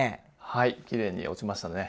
はいきれいに落ちましたね。